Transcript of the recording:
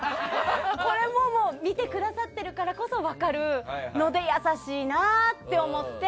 これももう見てくださってるからこそ分かるので優しいなと思って。